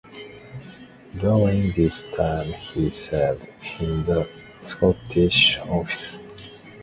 During this time he served in the Scottish Office.